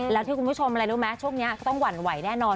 แล้วที่คุณผู้ชมอะไรรู้ไหมช่วงนี้ก็ต้องหวั่นไหวแน่นอน